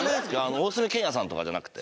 大澄賢也さんとかじゃなくて？